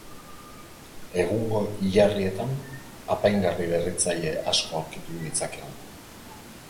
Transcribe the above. Egungo hilarrietan apaingarri berritzaile asko aurkitu ditzakegu.